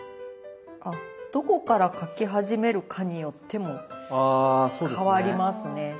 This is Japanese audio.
どこから描き始めるかによっても変わりますね。